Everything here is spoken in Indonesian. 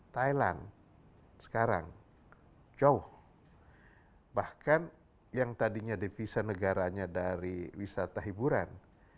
thailand sekarang jauh bahkan yang tadinya devisa negaranya dari wisata hiburan